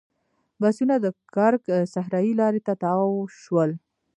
بسونه د کرک صحرایي لارې ته تاو شول.